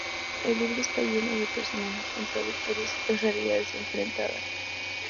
El libro está lleno de personajes contradictorios y otras realidades enfrentadas.